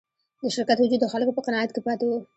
د شرکت وجود د خلکو په قناعت کې پاتې و.